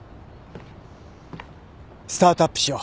スタートアップしよう